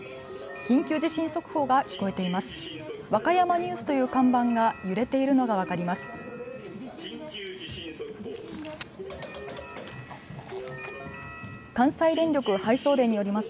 緊急地震速報が聞こえています。